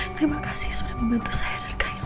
terima kasih sudah membantu saya dan kayla al